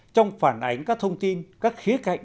trong phản ánh các thông tin các khía cạnh